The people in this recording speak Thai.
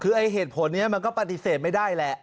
คือไอ้เหตุผลนี้มันก็ปฏิเสธไม่ได้แหละ